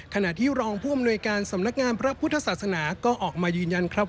ขณะที่รองผู้อำนวยการสำนักงานพระพุทธศาสนาก็ออกมายืนยันครับ